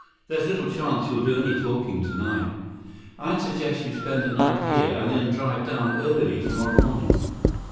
There's little chance that he'll do any talking tonight. I'd suggest you spend the night here, then drive down early tomorrow morning."